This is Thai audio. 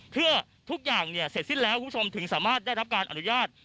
เพื่อทุกอย่างเสร็จสิ้นแล้วก็สามารถได้รับการอนุญาต